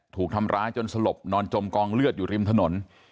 ถูกทำร้ายจนสลบนอนจมกองเลือดอยู่ริมถนน